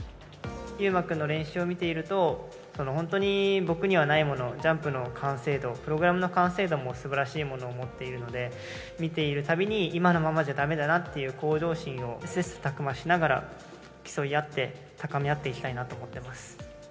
優真君の練習を見ていると、本当に僕にはないものを、ジャンプの完成度、プログラムの完成度もすばらしいものを持っているので、見ているたびに、今のままじゃだめだなっていう向上心を切さたく磨しながら、競い合って、高め合っていきたいなと思っています。